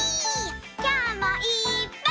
きょうもいっぱい。